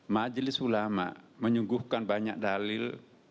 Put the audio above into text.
majelis ulama menyuguhkan banyak dalil